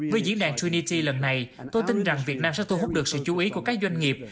với diễn đàn trinity lần này tôi tin rằng việt nam sẽ thu hút được sự chú ý của các doanh nghiệp